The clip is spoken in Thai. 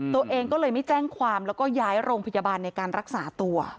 ตัวเองก็เลยไม่แจ้งความแล้วก็ย้ายโรงพยาบาลในการรักษาตัว